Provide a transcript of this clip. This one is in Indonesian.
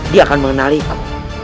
dia akan mengenaliku